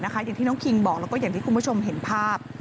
อย่างที่น้องคิงบอกแล้วก็อย่างที่คุณผู้ชมเห็นภาพ